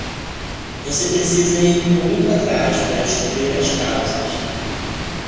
Você precisa ir muito atrás para descobrir as causas.